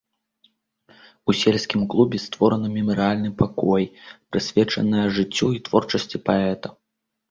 У сельскім клубе створана мемарыяльны пакой, прысвечаная жыццю і творчасці паэта.